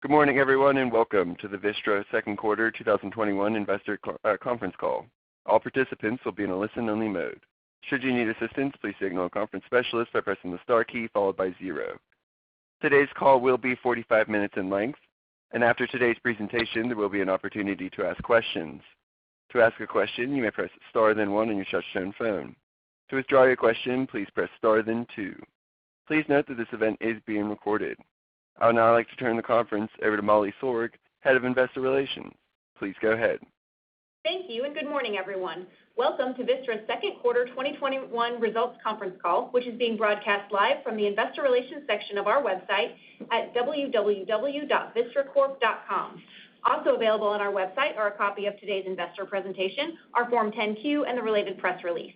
Good morning, everyone, and welcome to the Vistra Second Quarter 2021 Investor Conference Call. All participants will be in a listen-only mode. Should you need assistance, please signal a conference specialist by pressing the star key followed by zero. Today's call will be 45 minutes in length, and after today's presentation, there will be an opportunity to ask questions. To ask a question, you may press star, then one on your touch-tone phone. To withdraw your question, please press star, then two. Please note that this event is being recorded. I would now like to turn the conference over to Molly Sorg, Head of Investor Relations. Please go ahead. Thank you, and good morning, everyone. Welcome to Vistra's Second Quarter 2021 Results Conference Call, which is being broadcast live from the investor relations section of our website at vistracorp.com. Also available on our website are a copy of today's investor presentation, our Form 10-Q, and the related press release.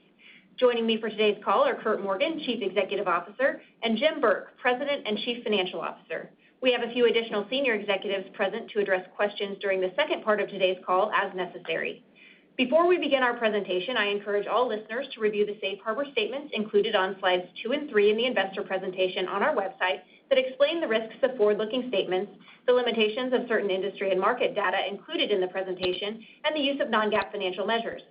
Joining me for today's call are Curt Morgan, Chief Executive Officer, and Jim Burke, President and Chief Financial Officer. We have a few additional senior executives present to address questions during the second part of today's call as necessary. Before we begin our presentation, I encourage all listeners to review the safe harbor statements included on slides two and three in the investor presentation on our website that explain the risks of forward-looking statements, the limitations of certain industry and market data included in the presentation, and the use of non-GAAP financial measures.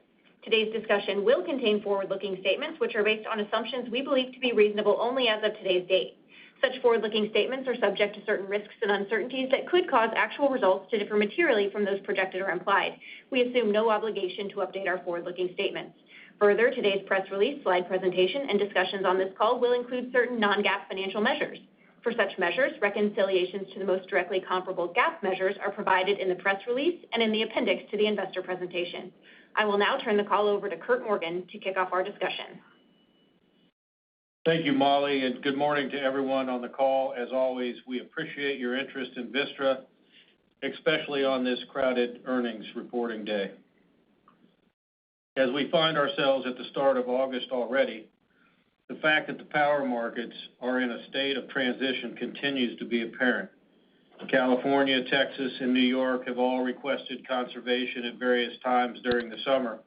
Today's discussion will contain forward-looking statements, which are based on assumptions we believe to be reasonable only as of today's date. Such forward-looking statements are subject to certain risks and uncertainties that could cause actual results to differ materially from those projected or implied. We assume no obligation to update our forward-looking statements. Today's press release, slide presentation, and discussions on this call will include certain non-GAAP financial measures. For such measures, reconciliations to the most directly comparable GAAP measures are provided in the press release and in the appendix to the investor presentation. I will now turn the call over to Curt Morgan to kick off our discussion. Thank you, Molly, and good morning to everyone on the call. As always, we appreciate your interest in Vistra, especially on this crowded earnings reporting day. As we find ourselves at the start of August already, the fact that the power markets are in a state of transition continues to be apparent. California, Texas, and New York have all requested conservation at various times during the summer.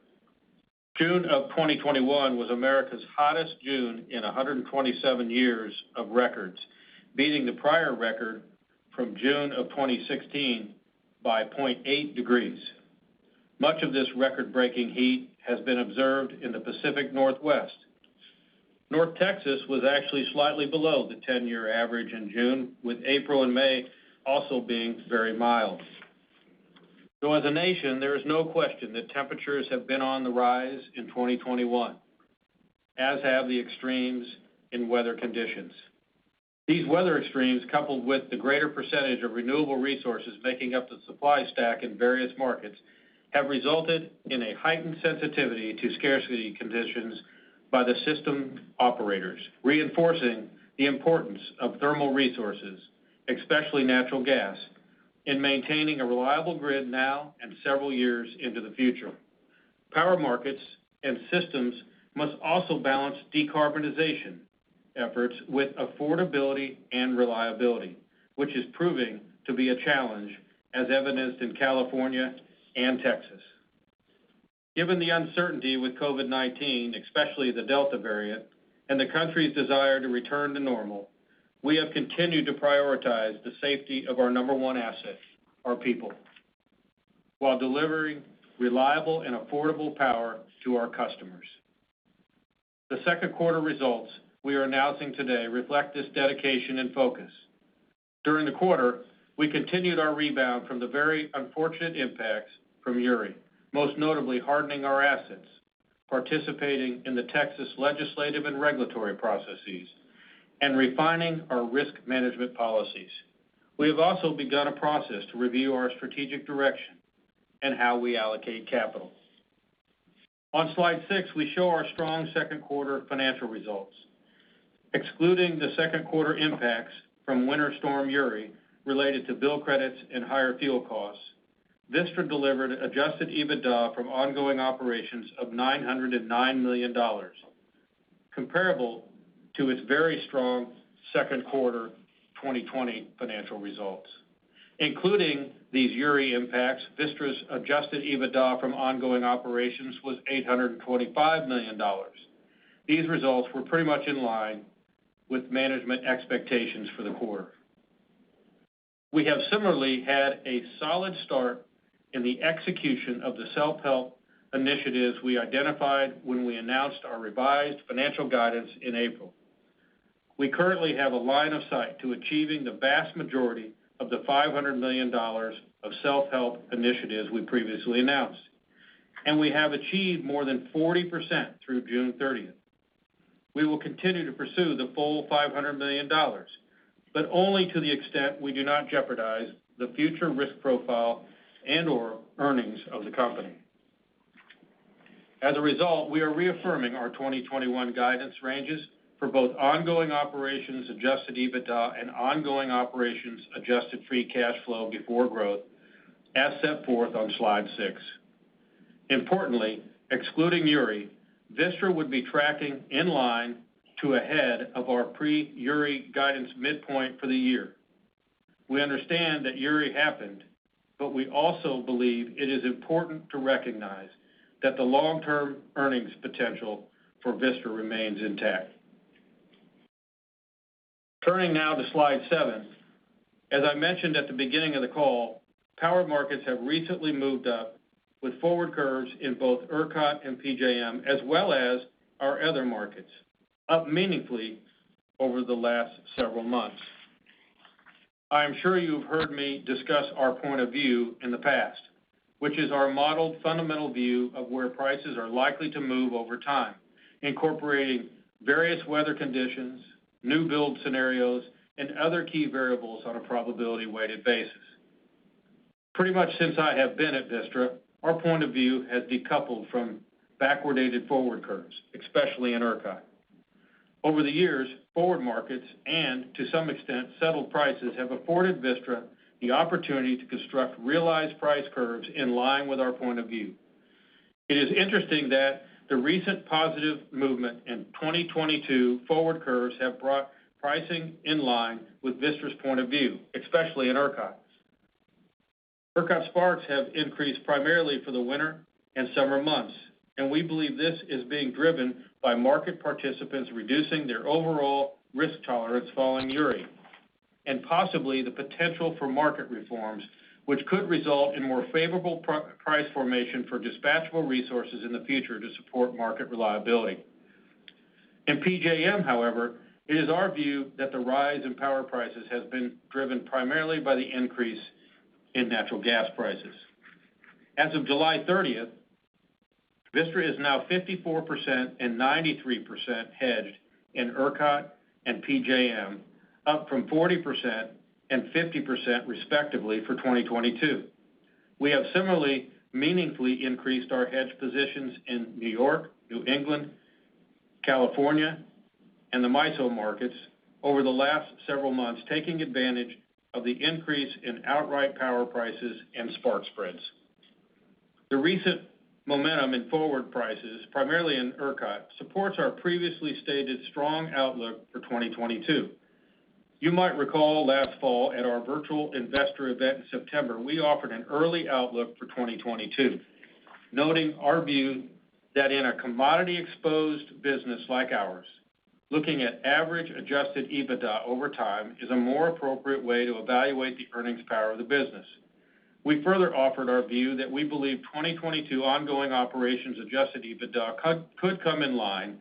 June of 2021 was America's hottest June in 127 years of records, beating the prior record from June of 2016 by 0.8 degrees. Much of this record-breaking heat has been observed in the Pacific Northwest. North Texas was actually slightly below the 10-year average in June, with April and May also being very mild. As a nation, there is no question that temperatures have been on the rise in 2021, as have the extremes in weather conditions. These weather extremes, coupled with the greater percentage of renewable resources making up the supply stack in various markets, have resulted in a heightened sensitivity to scarcity conditions by the system operators, reinforcing the importance of thermal resources, especially natural gas, in maintaining a reliable grid now and several years into the future. Power markets and systems must also balance decarbonization efforts with affordability and reliability, which is proving to be a challenge, as evidenced in California and Texas. Given the uncertainty with COVID-19, especially the Delta variant, and the country's desire to return to normal, we have continued to prioritize the safety of our number one asset, our people, while delivering reliable and affordable power to our customers. The second quarter results we are announcing today reflect this dedication and focus. During the quarter, we continued our rebound from the very unfortunate impacts from Uri, most notably hardening our assets, participating in the Texas legislative and regulatory processes, and refining our risk management policies. We have also begun a process to review our strategic direction and how we allocate capital. On slide six, we show our strong second quarter financial results. Excluding the second quarter impacts from Winter Storm Uri related to bill credits and higher fuel costs, Vistra delivered adjusted EBITDA from ongoing operations of $909 million, comparable to its very strong second quarter 2020 financial results. Including these Uri impacts, Vistra's adjusted EBITDA from ongoing operations was $825 million. These results were pretty much in line with management expectations for the quarter. We have similarly had a solid start in the execution of the self-help initiatives we identified when we announced our revised financial guidance in April. We currently have a line of sight to achieving the vast majority of the $500 million of self-help initiatives we previously announced, and we have achieved more than 40% through June 30th. We will continue to pursue the full $500 million, but only to the extent we do not jeopardize the future risk profile and/or earnings of the company. As a result, we are reaffirming our 2021 guidance ranges for both ongoing operations adjusted EBITDA and ongoing operations adjusted free cash flow before growth, as set forth on slide six. Importantly, excluding Uri, Vistra would be tracking in line to ahead of our pre-Uri guidance midpoint for the year. We understand that Uri happened. We also believe it is important to recognize that the long-term earnings potential for Vistra remains intact. Turning now to slide seven. As I mentioned at the beginning of the call, power markets have recently moved up with forward curves in both ERCOT and PJM, as well as our other markets, up meaningfully over the last several months. I am sure you've heard me discuss our point of view in the past, which is our modeled fundamental view of where prices are likely to move over time, incorporating various weather conditions, new build scenarios, and other key variables on a probability weighted basis. Pretty much since I have been at Vistra, our point of view has decoupled from backwardated forward curves, especially in ERCOT. Over the years, forward markets and to some extent, settled prices have afforded Vistra the opportunity to construct realized price curves in line with our point of view. It is interesting that the recent positive movement in 2022 forward curves have brought pricing in line with Vistra's point of view, especially in ERCOT's. ERCOT sparks have increased primarily for the winter and summer months, and we believe this is being driven by market participants reducing their overall risk tolerance following Uri, and possibly the potential for market reforms which could result in more favorable price formation for dispatchable resources in the future to support market reliability. In PJM, however, it is our view that the rise in power prices has been driven primarily by the increase in natural gas prices. As of July 30th, Vistra is now 54% and 93% hedged in ERCOT and PJM, up from 40% and 50% respectively for 2022. We have similarly meaningfully increased our hedge positions in New York, New England, California, and the MISO markets over the last several months, taking advantage of the increase in outright power prices and spark spreads. The recent momentum in forward prices, primarily in ERCOT, supports our previously stated strong outlook for 2022. You might recall last fall at our virtual investor event in September, we offered an early outlook for 2022, noting our view that in a commodity-exposed business like ours, looking at average adjusted EBITDA over time is a more appropriate way to evaluate the earnings power of the business. We further offered our view that we believe 2022 ongoing operations adjusted EBITDA could come in line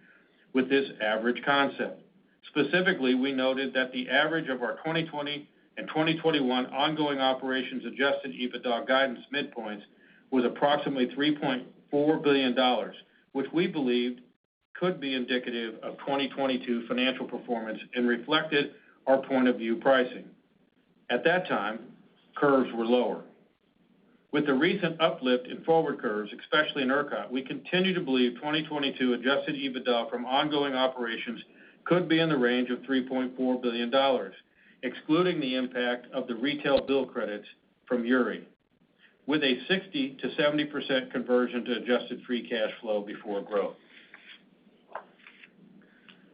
with this average concept. Specifically, we noted that the average of our 2020 and 2021 ongoing operations adjusted EBITDA guidance midpoints was approximately $3.4 billion, which we believed could be indicative of 2022 financial performance and reflected our point of view pricing. At that time, curves were lower. With the recent uplift in forward curves, especially in ERCOT, we continue to believe 2022 adjusted EBITDA from ongoing operations could be in the range of $3.4 billion, excluding the impact of the retail bill credits from Uri, with a 60%-70% conversion to adjusted free cash flow before growth.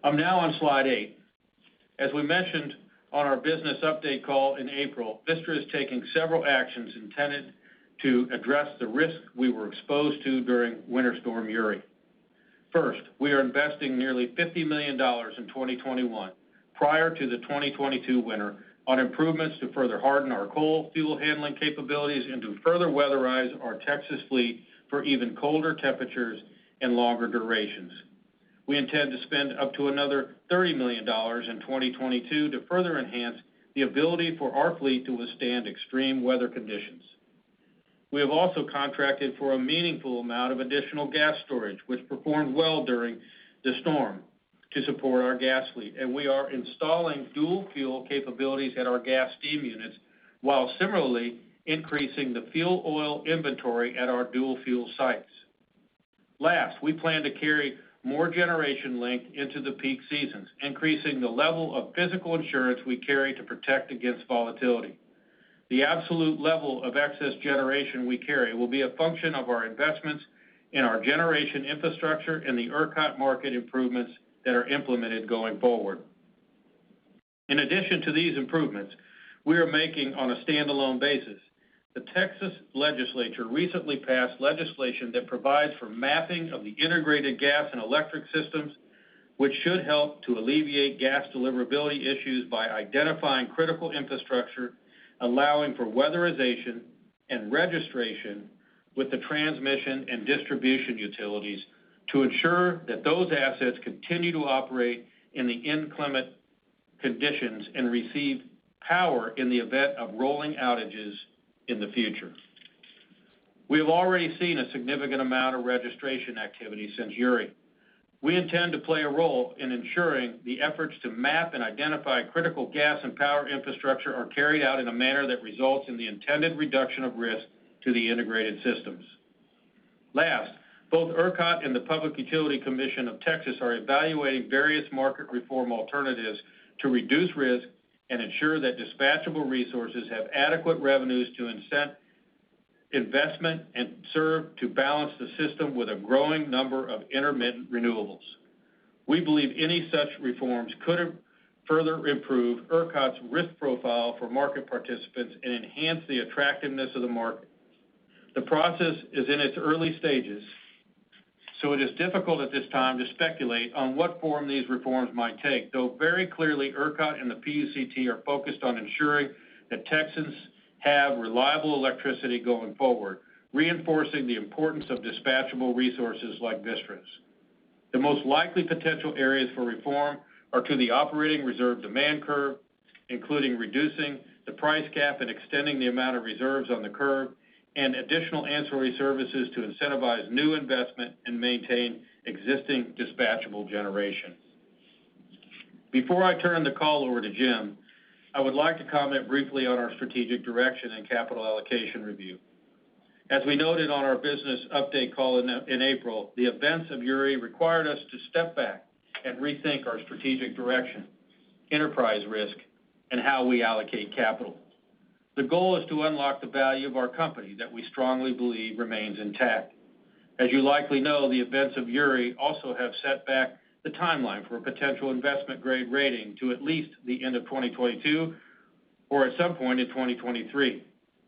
I'm now on slide eight. As we mentioned on our business update call in April, Vistra is taking several actions intended to address the risks we were exposed to during Winter Storm Uri. First, we are investing nearly $50 million in 2021, prior to the 2022 winter, on improvements to further harden our coal fuel handling capabilities and to further weatherize our Texas fleet for even colder temperatures and longer durations. We intend to spend up to another $30 million in 2022 to further enhance the ability for our fleet to withstand extreme weather conditions. We have also contracted for a meaningful amount of additional gas storage, which performed well during the storm to support our gas fleet, and we are installing dual-fuel capabilities at our gas steam units, while similarly increasing the fuel oil inventory at our dual-fuel sites. Last, we plan to carry more generation link into the peak seasons, increasing the level of physical insurance we carry to protect against volatility. The absolute level of excess generation we carry will be a function of our investments in our generation infrastructure and the ERCOT market improvements that are implemented going forward. In addition to these improvements, we are making on a standalone basis, the Texas Legislature recently passed legislation that provides for mapping of the integrated gas and electric systems, which should help to alleviate gas deliverability issues by identifying critical infrastructure, allowing for weatherization and registration with the transmission and distribution utilities to ensure that those assets continue to operate in the inclement conditions and receive power in the event of rolling outages in the future. We have already seen a significant amount of registration activity since Uri. We intend to play a role in ensuring the efforts to map and identify critical gas and power infrastructure are carried out in a manner that results in the intended reduction of risk to the integrated systems. Last, both ERCOT and the Public Utility Commission of Texas are evaluating various market reform alternatives to reduce risk and ensure that dispatchable resources have adequate revenues to incent investment and serve to balance the system with a growing number of intermittent renewables. We believe any such reforms could further improve ERCOT's risk profile for market participants and enhance the attractiveness of the market. The process is in its early stages, so it is difficult at this time to speculate on what form these reforms might take, though very clearly, ERCOT and the PUCT are focused on ensuring that Texans have reliable electricity going forward, reinforcing the importance of dispatchable resources like Vistra's. The most likely potential areas for reform are to the operating reserve demand curve, including reducing the price cap and extending the amount of reserves on the curve, and additional ancillary services to incentivize new investment and maintain existing dispatchable generation. Before I turn the call over to Jim, I would like to comment briefly on our strategic direction and capital allocation review. As we noted on our business update call in April, the events of Uri required us to step back and rethink our strategic direction, enterprise risk, and how we allocate capital. The goal is to unlock the value of our company that we strongly believe remains intact. As you likely know, the events of Uri also have set back the timeline for a potential investment-grade rating to at least the end of 2022 or at some point in 2023.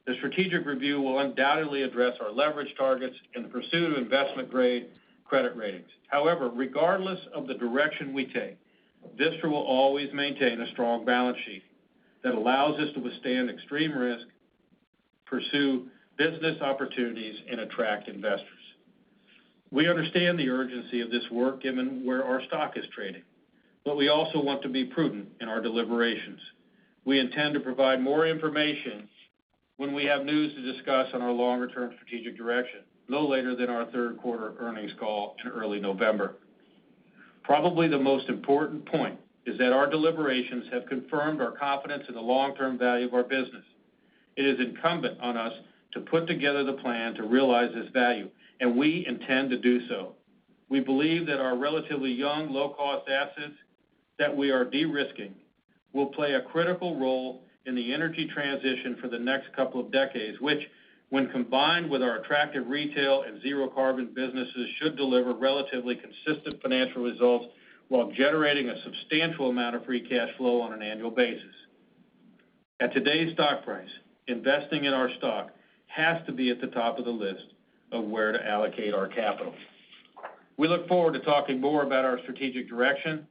The strategic review will undoubtedly address our leverage targets in the pursuit of investment-grade credit ratings. Regardless of the direction we take, Vistra will always maintain a strong balance sheet that allows us to withstand extreme risk, pursue business opportunities, and attract investors. We understand the urgency of this work, given where our stock is trading, but we also want to be prudent in our deliberations. We intend to provide more information when we have news to discuss on our longer-term strategic direction, no later than our third quarter earnings call to early November. Probably the most important point is that our deliberations have confirmed our confidence in the long-term value of our business. It is incumbent on us to put together the plan to realize this value, and we intend to do so. We believe that our relatively young, low-cost assets that we are de-risking will play a critical role in the energy transition for the next couple of decades, which, when combined with our attractive retail and zero-carbon businesses, should deliver relatively consistent financial results while generating a substantial amount of free cash flow on an annual basis. At today's stock price, investing in our stock has to be at the top of the list of where to allocate our capital. We look forward to talking more about our strategic direction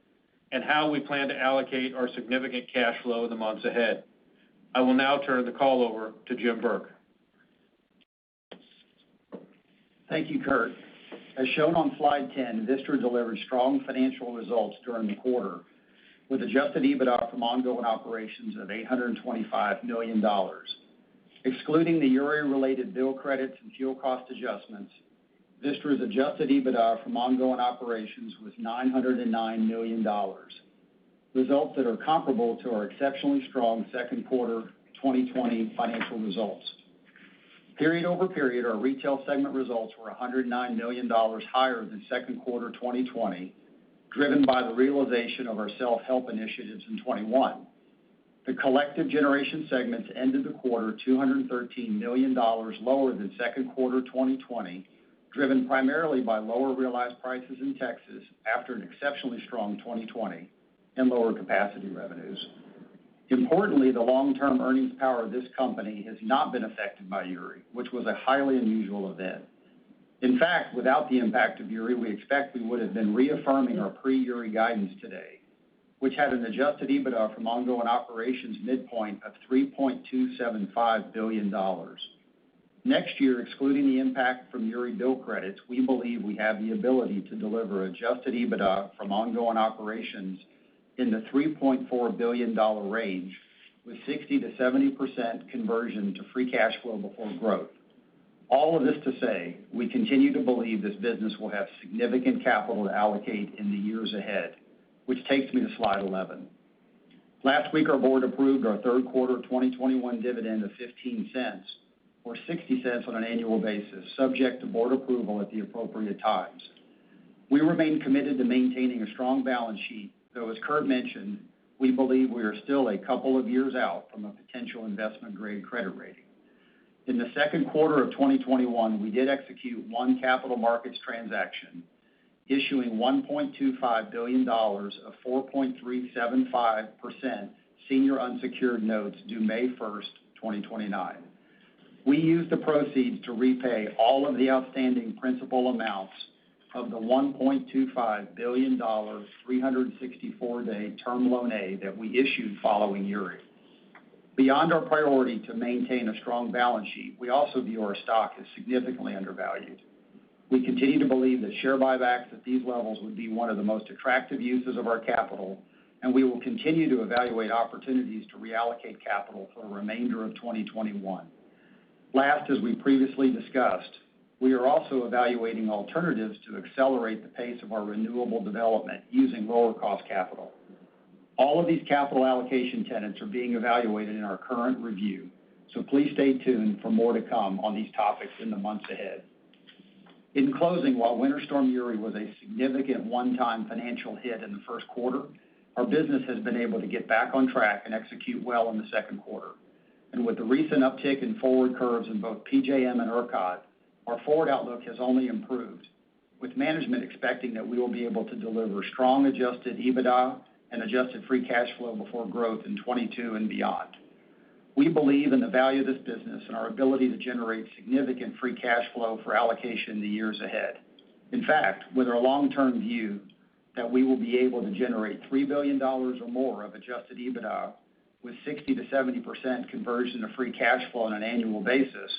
and how we plan to allocate our significant cash flow in the months ahead. I will now turn the call over to Jim Burke. Thank you, Curt. As shown on slide 10, Vistra delivered strong financial results during the quarter, with adjusted EBITDA from ongoing operations of $825 million. Excluding the Uri-related bill credits and fuel cost adjustments, Vistra's adjusted EBITDA from ongoing operations was $909 million, results that are comparable to our exceptionally strong second quarter 2020 financial results. Period over period, our retail segment results were $109 million higher than second quarter 2020, driven by the realization of our self-help initiatives in 2021. The collective generation segments ended the quarter $213 million lower than second quarter 2020, driven primarily by lower realized prices in Texas after an exceptionally strong 2020 and lower capacity revenues. Importantly, the long-term earnings power of this company has not been affected by Uri, which was a highly unusual event. In fact, without the impact of Uri, we expect we would have been reaffirming our pre-Uri guidance today, which had an adjusted EBITDA from ongoing operations midpoint of $3.275 billion. Next year, excluding the impact from Uri bill credits, we believe we have the ability to deliver adjusted EBITDA from ongoing operations in the $3.4 billion range with 60%-70% conversion to free cash flow before growth. All of this to say, we continue to believe this business will have significant capital to allocate in the years ahead, which takes me to slide 11. Last week, our board approved our third quarter 2021 dividend of $0.15, or $0.60 on an annual basis, subject to board approval at the appropriate times. We remain committed to maintaining a strong balance sheet, though, as Curt mentioned, we believe we are still a couple of years out from a potential investment-grade credit rating. In the second quarter of 2021, we did execute one capital markets transaction, issuing $1.25 billion of 4.375% senior unsecured notes due May 1st, 2029. We used the proceeds to repay all of the outstanding principal amounts of the $1.25 billion, 364-day term loan A that we issued following Uri. Beyond our priority to maintain a strong balance sheet, we also view our stock as significantly undervalued. We continue to believe that share buybacks at these levels would be one of the most attractive uses of our capital, and we will continue to evaluate opportunities to reallocate capital for the remainder of 2021. Last, as we previously discussed, we are also evaluating alternatives to accelerate the pace of our renewable development using lower-cost capital. All of these capital allocation tenets are being evaluated in our current review, so please stay tuned for more to come on these topics in the months ahead. In closing, while Winter Storm Uri was a significant one-time financial hit in the first quarter, our business has been able to get back on track and execute well in the second quarter. With the recent uptick in forward curves in both PJM and ERCOT, our forward outlook has only improved, with management expecting that we will be able to deliver strong adjusted EBITDA and adjusted free cash flow before growth in 2022 and beyond. We believe in the value of this business and our ability to generate significant free cash flow for allocation in the years ahead. In fact, with our long-term view that we will be able to generate $3 billion or more of adjusted EBITDA with 60%-70% conversion to free cash flow on an annual basis,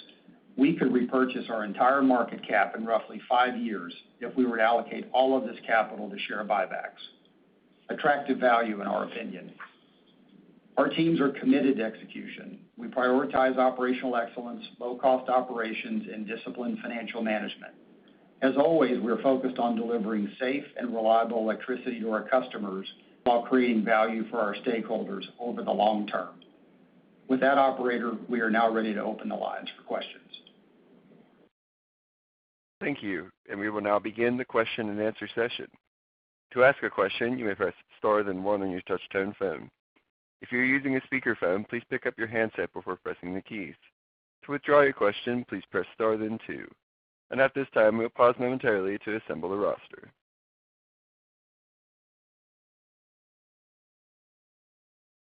we could repurchase our entire market cap in roughly five years if we were to allocate all of this capital to share buybacks. Attractive value in our opinion. Our teams are committed to execution. We prioritize operational excellence, low-cost operations, and disciplined financial management. As always, we're focused on delivering safe and reliable electricity to our customers while creating value for our stakeholders over the long term. With that, operator, we are now ready to open the lines for questions. Thank you. We will now begin the question and answer session. To ask a question, you may press star then one on your touch-tone phone. If you're using a speakerphone, please pick up your handset before pressing the keys. To withdraw your question, please press star then two. At this time, we'll pause momentarily to assemble a roster.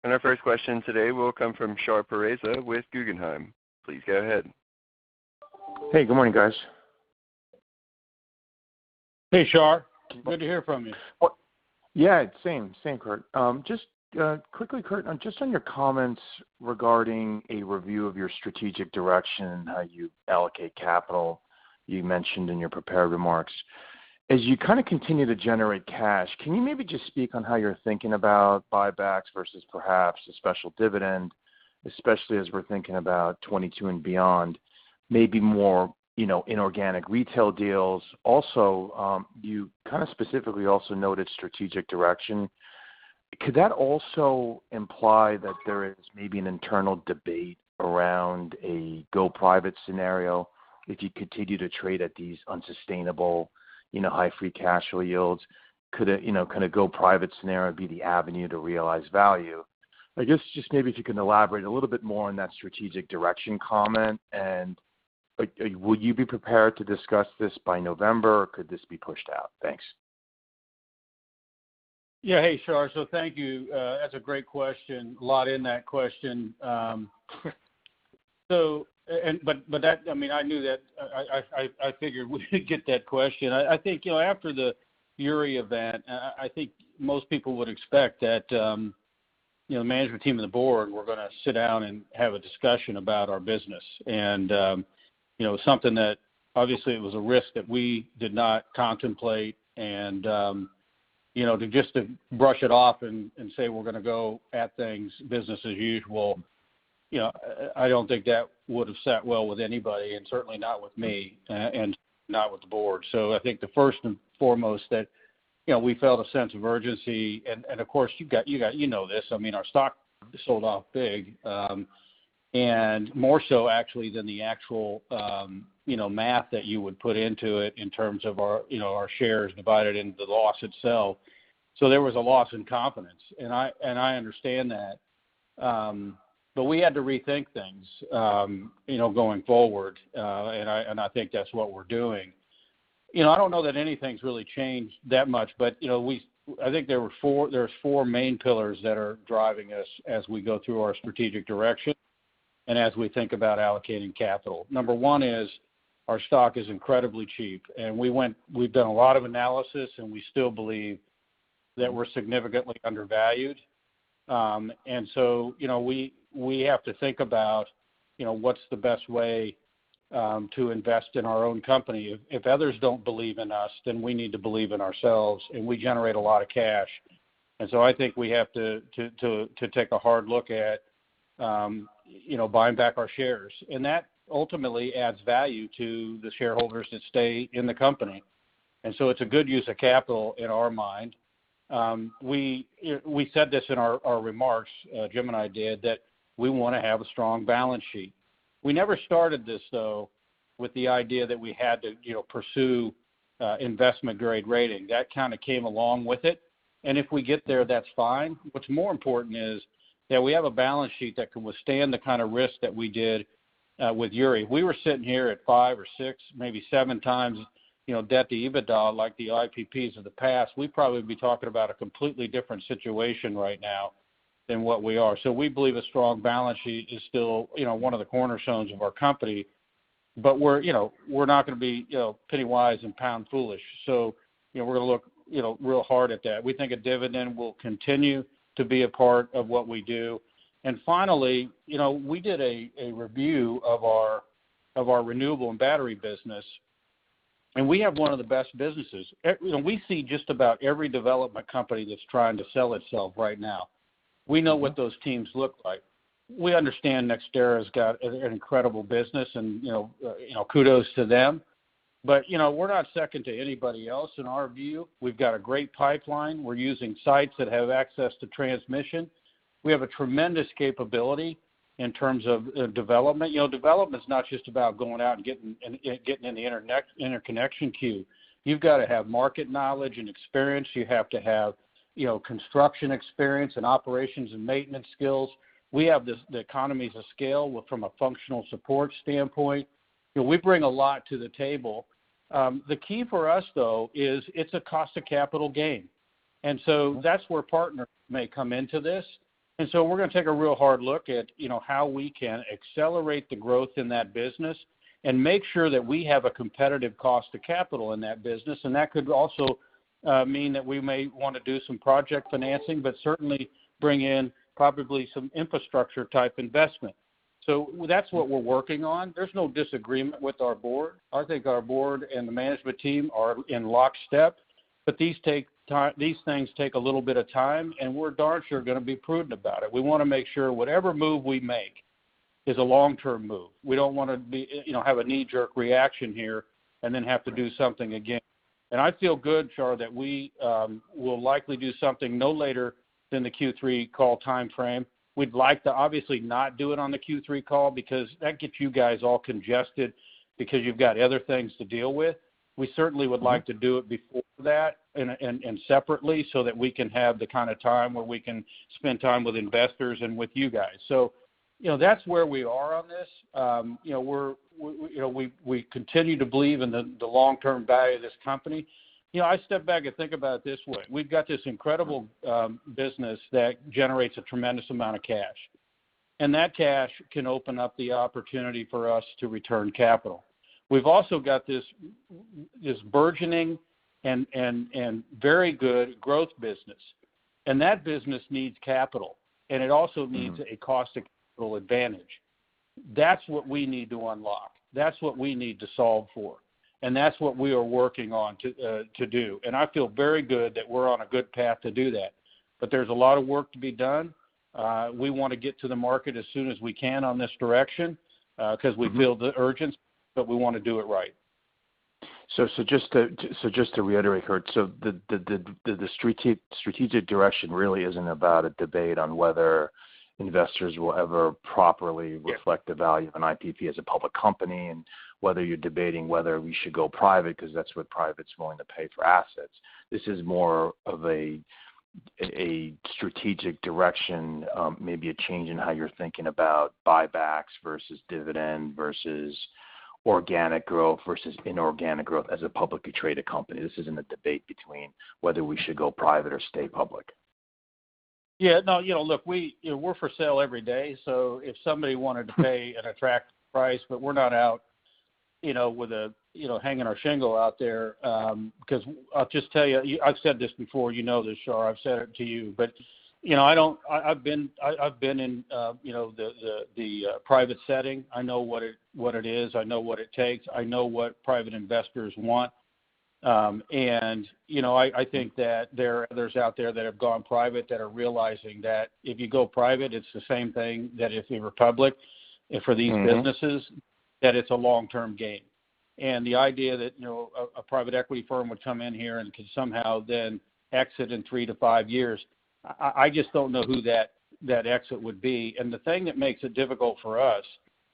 Our first question today will come from Shar Pourreza with Guggenheim. Please go ahead. Hey, good morning, guys. Hey, Shar. Good to hear from you. Yeah, same, Curt. Just quickly, Curt, just on your comments regarding a review of your strategic direction, how you allocate capital, you mentioned in your prepared remarks. As you kind of continue to generate cash, can you maybe just speak on how you're thinking about buybacks versus perhaps a special dividend, especially as we're thinking about 2022 and beyond, maybe more inorganic retail deals? You kind of specifically also noted strategic direction. Could that also imply that there is maybe an internal debate around a go private scenario if you continue to trade at these unsustainable high free cash flow yields? Could a kind of go private scenario be the avenue to realize value? I guess just maybe if you can elaborate a little bit more on that strategic direction comment, and will you be prepared to discuss this by November, or could this be pushed out? Thanks. Yeah. Hey, Shar. Thank you. That's a great question. A lot in that question. I knew that. I figured we'd get that question. I think after the Uri event, I think most people would expect that the management team and the board were going to sit down and have a discussion about our business. Something that obviously it was a risk that we did not contemplate, and just to brush it off and say we're going to go at things business as usual, I don't think that would've sat well with anybody and certainly not with me and not with the board. I think the first and foremost that we felt a sense of urgency. Of course, you know this. Our stock sold off big, more so actually than the actual math that you would put into it in terms of our shares divided into the loss itself. There was a loss in confidence, and I understand that. We had to rethink things going forward. I think that's what we're doing. I don't know that anything's really changed that much, but I think there's four main pillars that are driving us as we go through our strategic direction and as we think about allocating capital. Number one is our stock is incredibly cheap, and we've done a lot of analysis, and we still believe that we're significantly undervalued. We have to think about what's the best way to invest in our own company. If others don't believe in us, then we need to believe in ourselves, and we generate a lot of cash. I think we have to take a hard look at buying back our shares. That ultimately adds value to the shareholders that stay in the company. It's a good use of capital in our mind. We said this in our remarks, Jim and I did, that we want to have a strong balance sheet. We never started this, though, with the idea that we had to pursue investment-grade rating. That kind of came along with it. If we get there, that's fine. What's more important is that we have a balance sheet that can withstand the kind of risk that we did with Uri. If we were sitting here at five or six, maybe seven times debt to EBITDA, like the IPPs of the past, we'd probably be talking about a completely different situation right now than what we are. We believe a strong balance sheet is still one of the cornerstones of our company, but we're not going to be penny-wise and pound-foolish. We're going to look real hard at that. We think a dividend will continue to be a part of what we do. Finally, we did a review of our renewable and battery business, and we have one of the best businesses. We see just about every development company that's trying to sell itself right now. We know what those teams look like. We understand NextEra's got an incredible business and kudos to them. We're not second to anybody else in our view. We've got a great pipeline. We're using sites that have access to transmission. We have a tremendous capability in terms of development. Development's not just about going out and getting in the interconnection queue. You've got to have market knowledge and experience. You have to have construction experience and operations and maintenance skills. We have the economies of scale from a functional support standpoint. We bring a lot to the table. The key for us, though, is it's a cost of capital game. That's where partners may come into this. We're going to take a real hard look at how we can accelerate the growth in that business and make sure that we have a competitive cost of capital in that business. That could also mean that we may want to do some project financing, but certainly bring in probably some infrastructure type investment. That's what we're working on. There's no disagreement with our board. I think our board and the management team are in lockstep, but these things take a little bit of time, and we're darn sure going to be prudent about it. We want to make sure whatever move we make is a long-term move. We don't want to have a knee-jerk reaction here and then have to do something again. I feel good, Shar, that we will likely do something no later than the Q3 call timeframe. We'd like to obviously not do it on the Q3 call because that gets you guys all congested because you've got other things to deal with. We certainly would like to do it before that and separately so that we can have the kind of time where we can spend time with investors and with you guys. That's where we are on this. We continue to believe in the long-term value of this company. I step back and think about it this way. We've got this incredible business that generates a tremendous amount of cash. That cash can open up the opportunity for us to return capital. We've also got this burgeoning and very good growth business. That business needs capital. It also needs a cost of capital advantage. That's what we need to unlock. That's what we need to solve for. That's what we are working on to do. I feel very good that we're on a good path to do that. There's a lot of work to be done. We want to get to the market as soon as we can on this direction because we feel the urgency. We want to do it right. Just to reiterate, Curt, the strategic direction really isn't about a debate on whether investors will ever properly reflect. Yes the value of an IPP as a public company, and whether you're debating whether we should go private because that's what private's willing to pay for assets. This is more of a strategic direction, maybe a change in how you're thinking about buybacks versus dividend, versus organic growth versus inorganic growth as a publicly traded company. This isn't a debate between whether we should go private or stay public. Yeah. No, look, we're for sale every day, so if somebody wanted to pay an attractive price, but we're not out with hanging our shingle out there. I'll just tell you, I've said this before, you know this, Shar, I've said it to you, but I've been in the private setting. I know what it is. I know what it takes. I know what private investors want. I think that there are others out there that have gone private that are realizing that if you go private, it's the same thing that if you were public for these businesses, that it's a long-term game. The idea that a private equity firm would come in here and could somehow then exit in three to five years, I just don't know who that exit would be. The thing that makes it difficult for us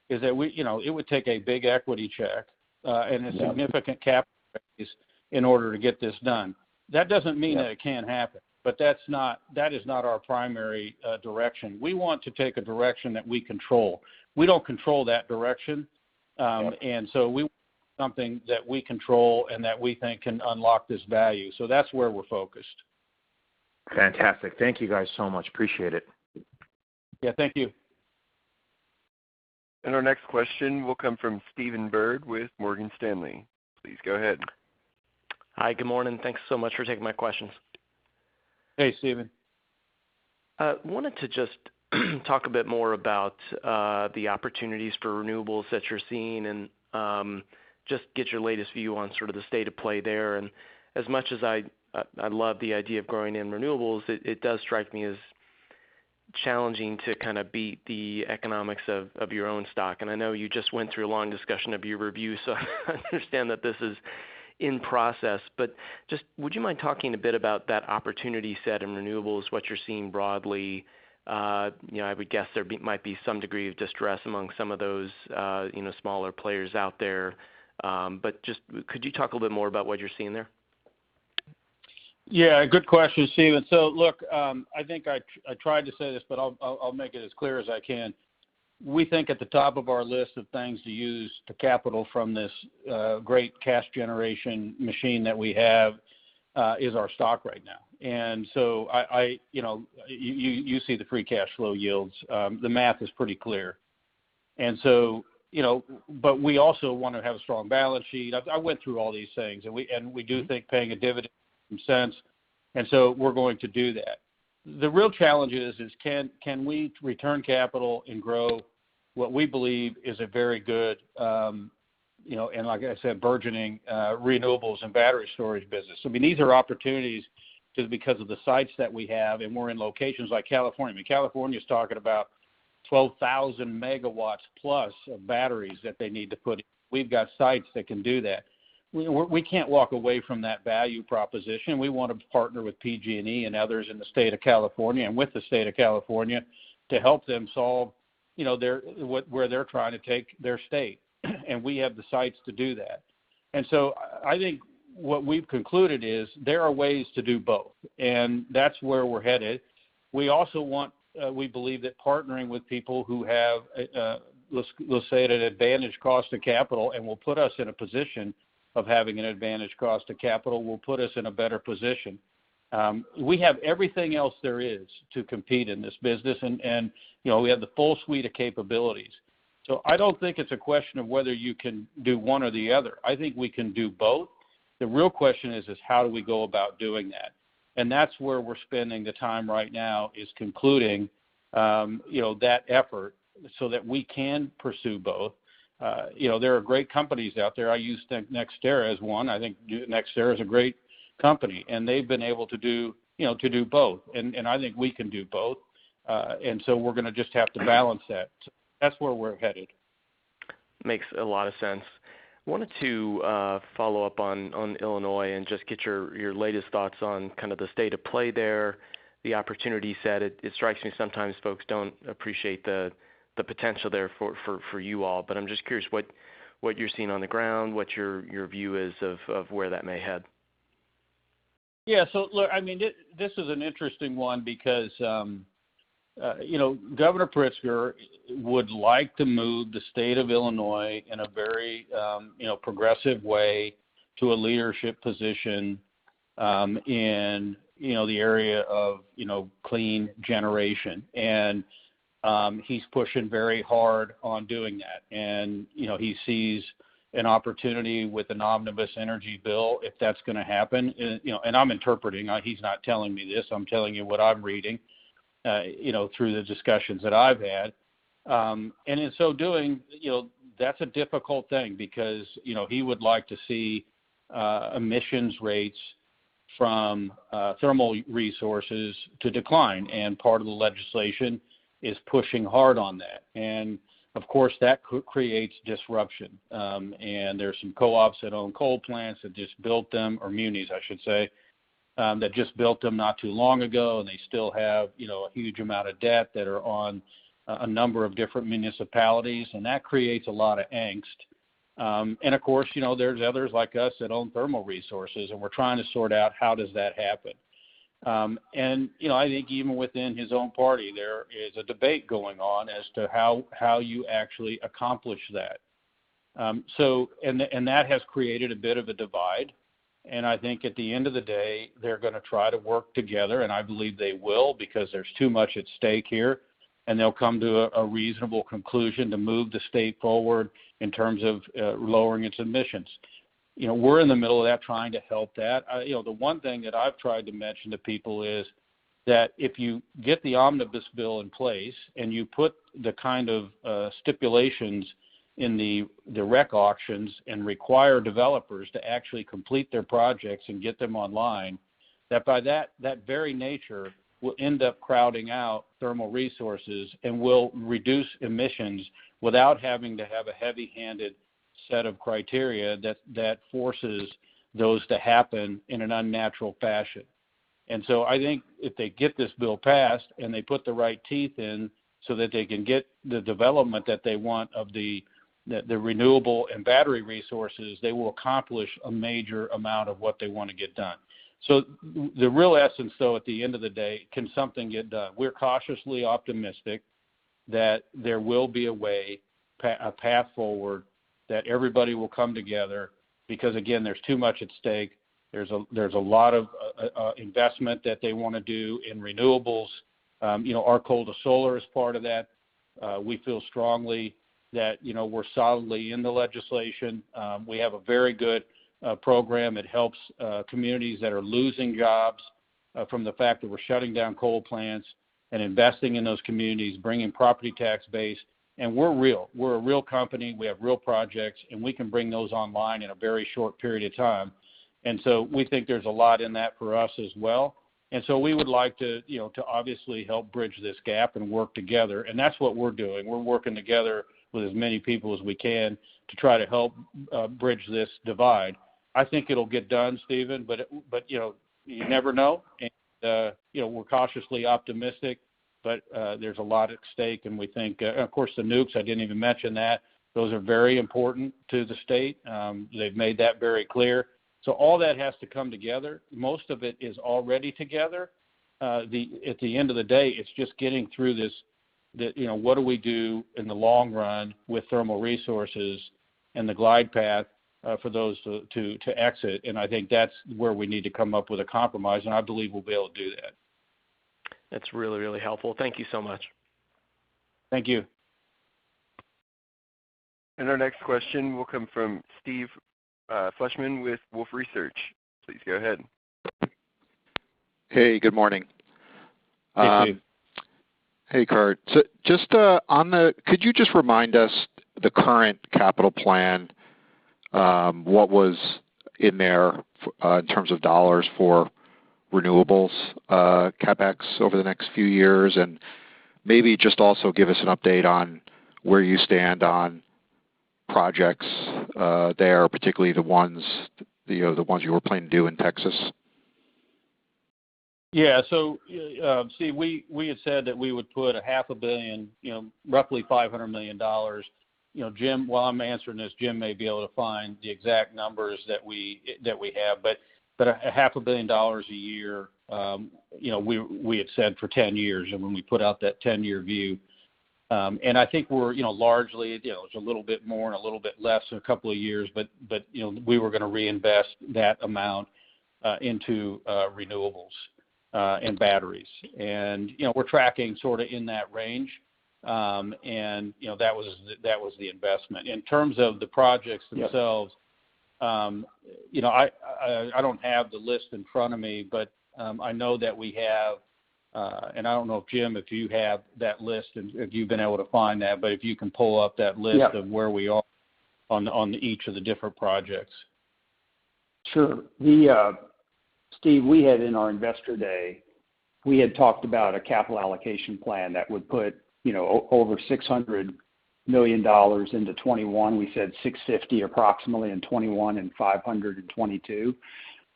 is that it would take a big equity check. Yeah A significant capital increase in order to get this done. That doesn't mean that it can't happen, but that is not our primary direction. We want to take a direction that we control. We don't control that direction. Yeah. We want something that we control and that we think can unlock this value. That's where we're focused. Fantastic. Thank you guys so much. Appreciate it. Yeah. Thank you. Our next question will come from Stephen Byrd with Morgan Stanley. Please go ahead. Hi. Good morning. Thanks so much for taking my questions. Hey, Stephen. Wanted to just talk a bit more about the opportunities for renewables that you're seeing and just get your latest view on sort of the state of play there. As much as I love the idea of growing in renewables, it does strike me as challenging to kind of beat the economics of your own stock. I know you just went through a long discussion of your review. I understand that this is in process. Just would you mind talking a bit about that opportunity set in renewables, what you're seeing broadly? I would guess there might be some degree of distress among some of those smaller players out there. Just could you talk a little bit more about what you're seeing there? Yeah. Good question, Stephen. Look, I think I tried to say this, but I'll make it as clear as I can. We think at the top of our list of things to use the capital from this great cash generation machine that we have, is our stock right now. You see the free cash flow yields. The math is pretty clear. We also want to have a strong balance sheet. I went through all these things, we do think paying a dividend makes some sense, we're going to do that. The real challenge is, can we return capital and grow what we believe is a very good, and like I said, burgeoning renewables and battery storage business? I mean, these are opportunities just because of the sites that we have, and we're in locations like California. I mean, California's talking about 12,000+ MW of batteries that they need to put in. We've got sites that can do that. We can't walk away from that value proposition. We want to partner with PG&E and others in the state of California, and with the state of California, to help them solve where they're trying to take their state. We have the sites to do that. I think what we've concluded is there are ways to do both, and that's where we're headed. We believe that partnering with people who have, let's say, at an advantage cost of capital and will put us in a position of having an advantage cost of capital, will put us in a better position. We have everything else there is to compete in this business, and we have the full suite of capabilities. I don't think it's a question of whether you can do one or the other. I think we can do both. The real question is, how do we go about doing that? That's where we're spending the time right now, is concluding that effort so that we can pursue both. There are great companies out there. I use NextEra as one. I think NextEra is a great company, and they've been able to do both, and I think we can do both. We're going to just have to balance that. That's where we're headed. Makes a lot of sense. Wanted to follow up on Illinois and just get your latest thoughts on the state of play there, the opportunity set. It strikes me sometimes folks don't appreciate the potential there for you all, but I'm just curious what you're seeing on the ground, what your view is of where that may head. Look, this is an interesting one because Governor Pritzker would like to move the state of Illinois in a very progressive way to a leadership position in the area of clean generation. He's pushing very hard on doing that. He sees an opportunity with an omnibus energy bill, if that's going to happen. I'm interpreting. He's not telling me this. I'm telling you what I'm reading, through the discussions that I've had. In so doing, that's a difficult thing because he would like to see emissions rates from thermal resources to decline. Part of the legislation is pushing hard on that. Of course, that creates disruption. There's some co-ops that own coal plants that just built them, or munis, I should say, that just built them not too long ago, and they still have a huge amount of debt that are on a number of different municipalities, and that creates a lot of angst. Of course, there's others like us that own thermal resources, and we're trying to sort out how does that happen. I think even within his own party, there is a debate going on as to how you actually accomplish that. That has created a bit of a divide, and I think at the end of the day, they're going to try to work together, and I believe they will, because there's too much at stake here, and they'll come to a reasonable conclusion to move the state forward in terms of lowering its emissions. We're in the middle of that, trying to help that. The one thing that I've tried to mention to people is that if you get the omnibus bill in place and you put the kind of stipulations in the REC auctions and require developers to actually complete their projects and get them online, that by that very nature will end up crowding out thermal resources and will reduce emissions without having to have a heavy-handed set of criteria that forces those to happen in an unnatural fashion. I think if they get this bill passed and they put the right teeth in so that they can get the development that they want of the renewable and battery resources, they will accomplish a major amount of what they want to get done. The real essence, though, at the end of the day, can something get done? We're cautiously optimistic that there will be a way, a path forward, that everybody will come together because, again, there's too much at stake. There's a lot of investment that they want to do in renewables. Our coal to solar is part of that. We feel strongly that we're solidly in the legislation. We have a very good program. It helps communities that are losing jobs from the fact that we're shutting down coal plants and investing in those communities, bringing property tax base, and we're real. We're a real company. We have real projects, and we can bring those online in a very short period of time. We think there's a lot in that for us as well. We would like to obviously help bridge this gap and work together, and that's what we're doing. We're working together with as many people as we can to try to help bridge this divide. I think it'll get done, Stephen, but you never know. We're cautiously optimistic, but there's a lot at stake, and we think Of course, the nukes, I didn't even mention that. Those are very important to the state. They've made that very clear. All that has to come together. Most of it is already together. At the end of the day, it's just getting through this, what do we do in the long run with thermal resources and the glide path for those to exit? I think that's where we need to come up with a compromise, and I believe we'll be able to do that. That's really helpful. Thank you so much. Thank you. Our next question will come from Steve Fleishman with Wolfe Research. Please go ahead. Hey, good morning. Hey, Steve. Hey, Curt. Could you just remind us the current capital plan, what was in there in terms of dollars for renewables, CapEx over the next few years, and maybe just also give us an update on where you stand on projects there, particularly the ones you were planning to do in Texas? Yeah. Steve, we had said that we would put a half a billion, roughly $500 million. While I'm answering this, Jim may be able to find the exact numbers that we have, but a half a billion dollars a year, we had said for 10 years and when we put out that 10-year view. I think we're largely, there's a little bit more and a little bit less in a couple of years, but we were going to reinvest that amount into renewables and batteries. We're tracking sort of in that range, and that was the investment. In terms of the projects themselves, I don't have the list in front of me, but I know that we have. I don't know if Jim, if you have that list and if you've been able to find that, but if you can pull up that list. Yeah of where we are on each of the different projects. Sure. Steve, we had in our Investor Day, we had talked about a capital allocation plan that would put over $600 million into 2021. We said $650 million approximately in 2021 and $500 million in 2022.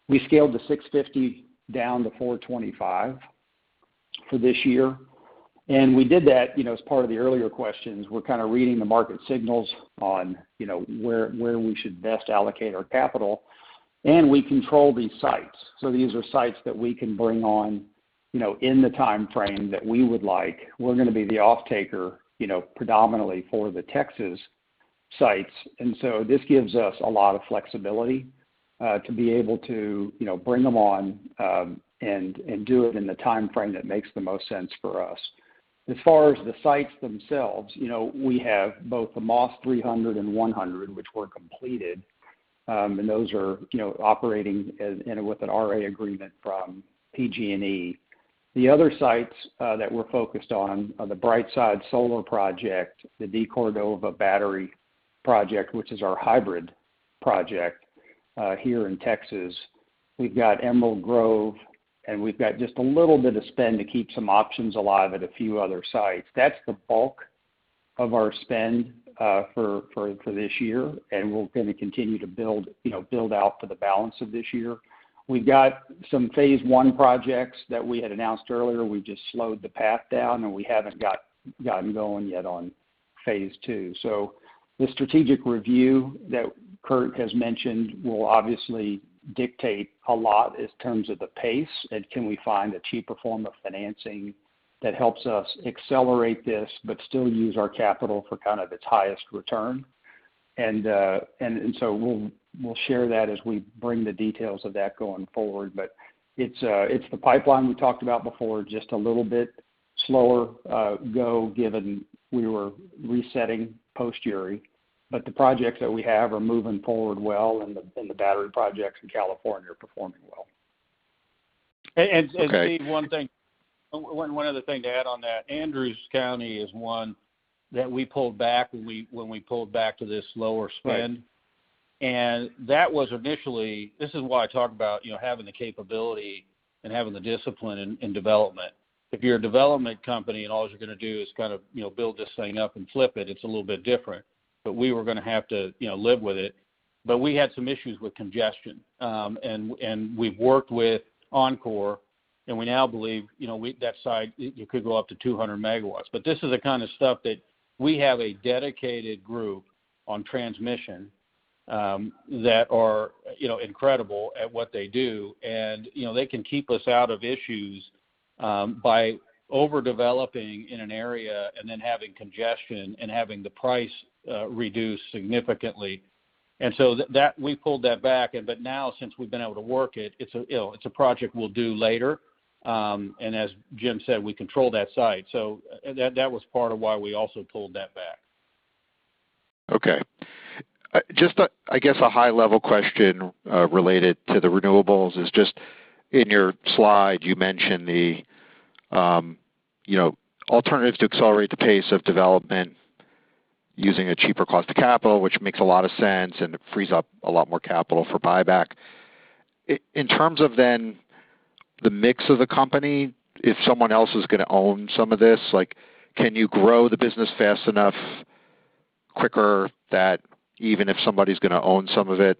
We scaled the $650 million down to $425 million for this year. We did that as part of the earlier questions. We're kind of reading the market signals on where we should best allocate our capital. We control these sites. These are sites that we can bring on in the timeframe that we would like. We're going to be the offtaker predominantly for the Texas sites. This gives us a lot of flexibility to be able to bring them on and do it in the timeframe that makes the most sense for us. As far as the sites themselves, we have both the Moss 300 and 100, which were completed. Those are operating with an RA agreement from PG&E. The other sites that we're focused on are the Brightside Solar Facility, the DeCordova Energy Storage Facility, which is our hybrid project here in Texas. We've got Emerald Grove Solar Facility, and we've got just a little bit of spend to keep some options alive at a few other sites. That's the bulk of our spend for this year, and we're going to continue to build out for the balance of this year. We've got some phase 1 projects that we had announced earlier. We've just slowed the path down, and we haven't gotten going yet on phase 2. The strategic review that Curt has mentioned will obviously dictate a lot in terms of the pace and can we find a cheaper form of financing that helps us accelerate this, but still use our capital for kind of its highest return. We'll share that as we bring the details of that going forward. It's the pipeline we talked about before, just a little bit slower go given we were resetting post Winter Storm Uri, but the projects that we have are moving forward well, and the battery projects in California are performing well. Steve, Okay One other thing to add on that. Andrews County is one that we pulled back when we pulled back to this lower spend. Right. That was initially, this is why I talk about having the capability and having the discipline in development. If you're a development company and all you're going to do is kind of build this thing up and flip it's a little bit different. We were going to have to live with it. We had some issues with congestion. We've worked with Oncor, and we now believe that site, it could go up to 200 MW. This is the kind of stuff that we have a dedicated group on transmission that are incredible at what they do. They can keep us out of issues by overdeveloping in an area and then having congestion and having the price reduced significantly. We pulled that back. Now since we've been able to work it's a project we'll do later. As Jim said, we control that site. That was part of why we also pulled that back. Okay. Just I guess a high-level question related to the renewables is just in your slide, you mentioned the alternatives to accelerate the pace of development using a cheaper cost of capital, which makes a lot of sense, and it frees up a lot more capital for buyback. In terms of then the mix of the company, if someone else is going to own some of this, can you grow the business fast enough quicker that even if somebody's going to own some of it,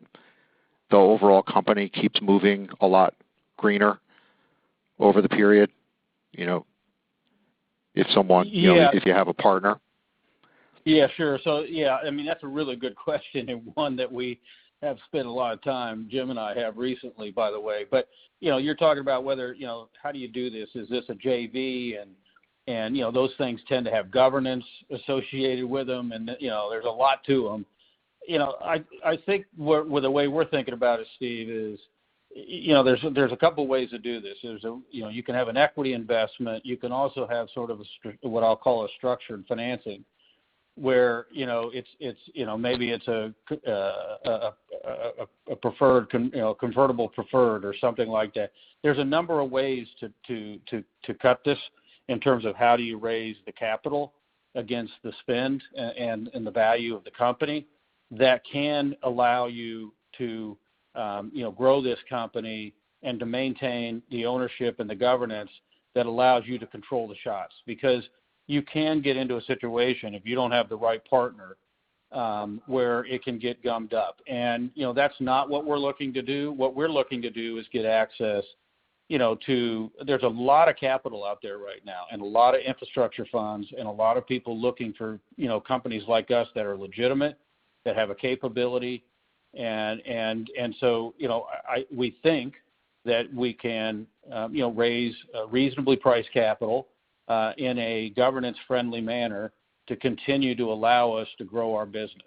the overall company keeps moving a lot greener over the period? If you have a partner. Yeah, sure. Yeah, that's a really good question, and one that we have spent a lot of time, Jim and I have recently, by the way. You're talking about how do you do this? Is this a JV? Those things tend to have governance associated with them, and there's a lot to them. I think with the way we're thinking about it, Steve, is there's a couple of ways to do this. You can have an equity investment. You can also have sort of what I'll call a structured financing where maybe it's a convertible preferred or something like that. There's a number of ways to cut this in terms of how do you raise the capital against the spend and the value of the company that can allow you to grow this company and to maintain the ownership and the governance that allows you to control the shots. You can get into a situation if you don't have the right partner, where it can get gummed up. That's not what we're looking to do. What we're looking to do is get access. There's a lot of capital out there right now, and a lot of infrastructure funds, and a lot of people looking for companies like us that are legitimate, that have a capability. We think that we can raise reasonably priced capital in a governance-friendly manner to continue to allow us to grow our business.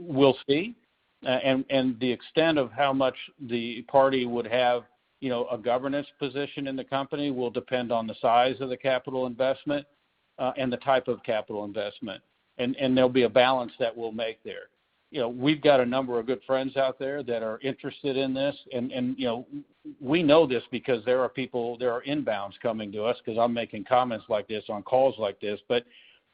We'll see. The extent of how much the party would have a governance position in the company will depend on the size of the capital investment and the type of capital investment. There'll be a balance that we'll make there. We've got a number of good friends out there that are interested in this. We know this because there are people, there are inbounds coming to us, because I'm making comments like this on calls like this.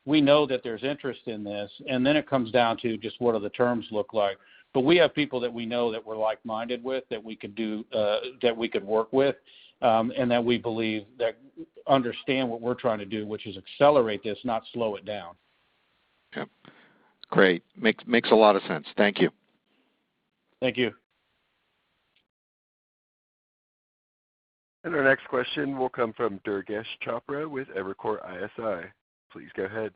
We know that there's interest in this, and then it comes down to just what do the terms look like. We have people that we know that we're like-minded with, that we could work with, and that we believe that understand what we're trying to do, which is accelerate this, not slow it down. Yep. Great. Makes a lot of sense. Thank you. Thank you. Our next question will come from Durgesh Chopra with Evercore ISI. Please go ahead.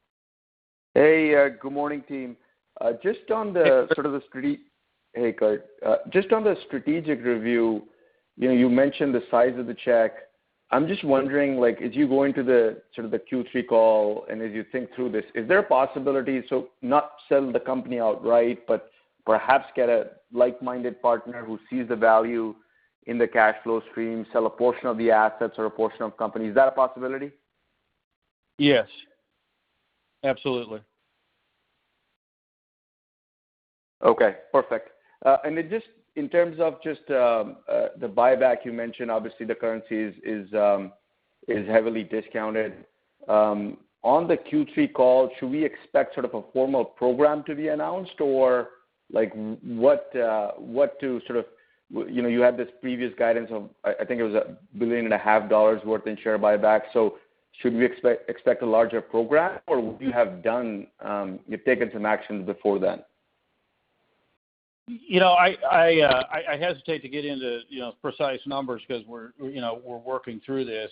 Hey, good morning, team. Hey, Curt. Just on the strategic review, you mentioned the size of the check. I'm just wondering, as you go into the Q3 call, and as you think through this, is there a possibility not sell the company outright, but perhaps get a like-minded partner who sees the value in the cash flow stream, sell a portion of the assets or a portion of the company? Is that a possibility? Yes. Absolutely. Okay, perfect. In terms of the buyback you mentioned, obviously the currency is heavily discounted. On the Q3 call, should we expect a formal program to be announced? You had this previous guidance of, I think it was a billion and a half dollars worth in share buybacks. Should we expect a larger program, or would you have taken some actions before then? I hesitate to get into precise numbers because we're working through this.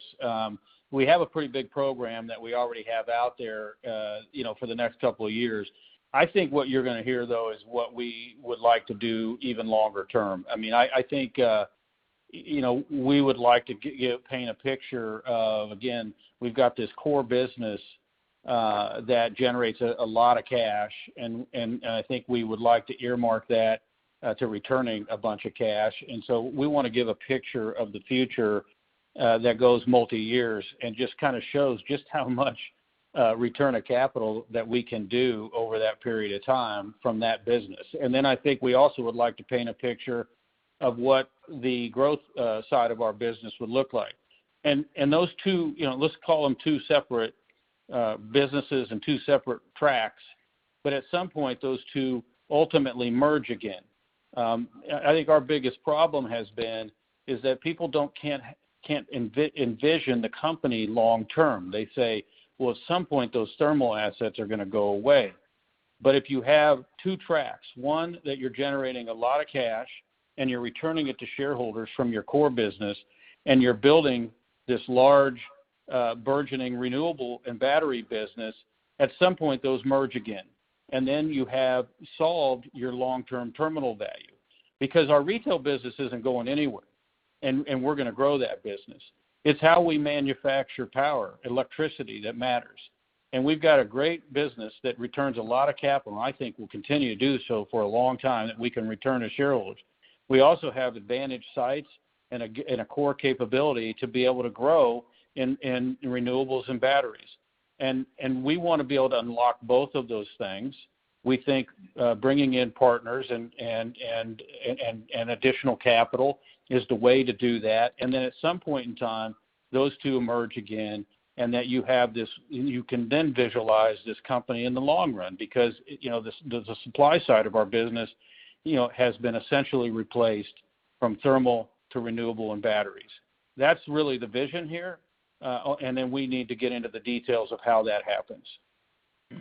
We have a pretty big program that we already have out there for the next couple of years. I think what you're going to hear, though, is what we would like to do even longer term. I think we would like to paint a picture of, again, we've got this core business that generates a lot of cash, and I think we would like to earmark that to returning a bunch of cash. So we want to give a picture of the future that goes multi-years and just kind of shows just how much return of capital that we can do over that period of time from that business. I think we also would like to paint a picture of what the growth side of our business would look like. Those two, let's call them two separate businesses and two separate tracks. At some point, those two ultimately merge again. I think our biggest problem has been is that people can't envision the company long term. They say, "Well, at some point, those thermal assets are going to go away." If you have two tracks, one that you're generating a lot of cash and you're returning it to shareholders from your core business, and you're building this large burgeoning renewable and battery business, at some point, those merge again. Then you have solved your long-term terminal value. Our retail business isn't going anywhere, and we're going to grow that business. It's how we manufacture power, electricity that matters. We've got a great business that returns a lot of capital, and I think will continue to do so for a long time, that we can return to shareholders. We also have advantage sites and a core capability to be able to grow in renewables and batteries. We want to be able to unlock both of those things. We think bringing in partners and additional capital is the way to do that. Then at some point in time, those two merge again, and that you can then visualize this company in the long run. The supply side of our business has been essentially replaced from thermal to renewable and batteries. That's really the vision here, and then we need to get into the details of how that happens.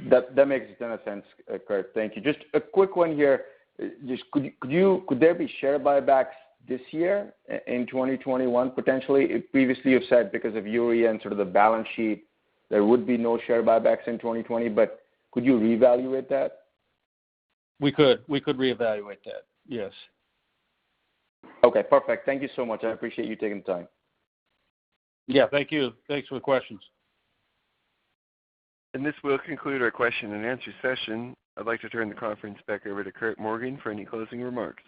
That makes a ton of sense, Curt. Thank you. Just a quick one here. Could there be share buybacks this year in 2021, potentially? Previously, you've said because of Uri and sort of the balance sheet, there would be no share buybacks in 2020. Could you reevaluate that? We could. We could reevaluate that. Yes. Okay, perfect. Thank you so much. I appreciate you taking the time. Yeah. Thank you. Thanks for the questions. This will conclude our question and answer session. I'd like to turn the conference back over to Curt Morgan for any closing remarks.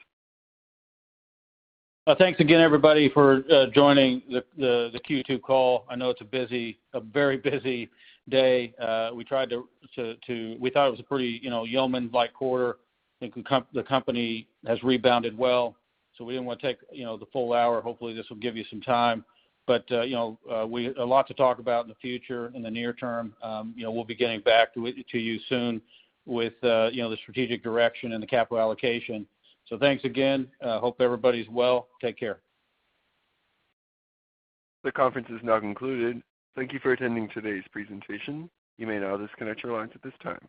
Thanks again, everybody, for joining the Q2 call. I know it's a very busy day. We thought it was a pretty yeoman-like quarter. I think the company has rebounded well. We didn't want to take the full hour. Hopefully, this will give you some time. A lot to talk about in the future, in the near term. We'll be getting back to you soon with the strategic direction and the capital allocation. Thanks again. Hope everybody's well. Take care. The conference is now concluded. Thank you for attending today's presentation. You may now disconnect your lines at this time.